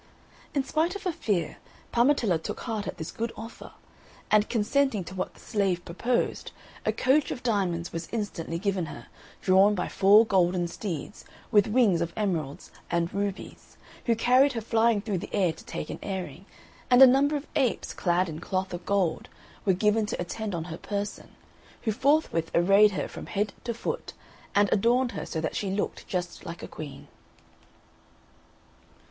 In spite of her fear, Parmetella took heart at this good offer, and consenting to what the Slave proposed, a coach of diamonds was instantly given her, drawn by four golden steeds, with wings of emeralds and rubies, who carried her flying through the air to take an airing; and a number of apes, clad in cloth of gold, were given to attend on her person, who forthwith arrayed her from head to foot, and adorned her so that she looked just like a Queen.